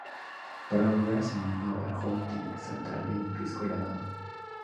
Para volver a su mundo, el joven tiene que saltar de un risco elevado.